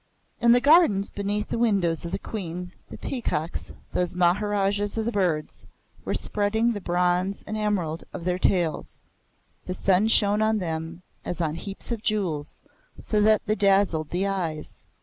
In the gardens beneath the windows of the Queen, the peacocks, those maharajas of the birds, were spreading the bronze and emerald of their tails. The sun shone on them as on heaps of jewels, so that they dazzled the eyes.